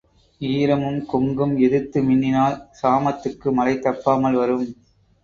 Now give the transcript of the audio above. ஈரமும் கொங்கும் எதிர்த்து மின்னினால் சாமத்துக்கு மழை தப்பாமல் வரும்.